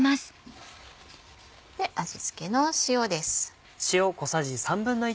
味付けの塩です。